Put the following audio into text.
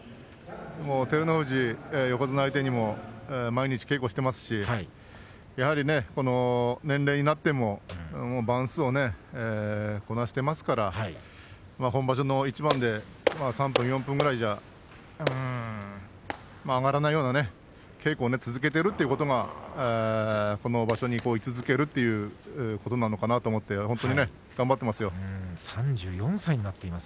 照ノ富士、横綱相手にも毎日稽古してますしやはりこの年齢になっても番数をこなしていますので本場所の一番で３分４分ぐらいじゃうん上がらないような稽古を続けているということがこの場所にい続けるということ３４歳になっています